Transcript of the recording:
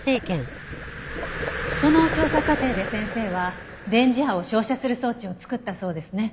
その調査過程で先生は電磁波を照射する装置を作ったそうですね。